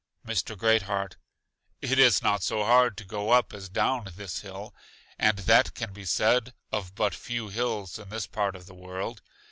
Mr. Great heart: It is not so hard to go up as down this hill, and that can be said of but few hills in this part of the world.